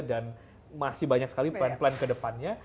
dan masih banyak sekali plan plan kedepannya